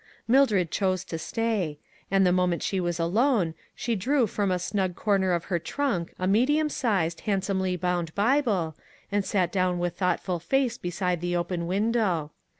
" Mildred chose to stay ; and the moment she was alone, she drew from a snug cor ner of her trunk a medium sized, handsomely bound Bible, and sat down with thoughtful face beside the open window.